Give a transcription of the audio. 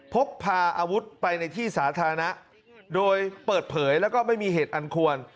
พกพาอาวุธไปในที่สาธารณะโดยเปิดเผยแล้วก็ไม่มีเหตุอันควร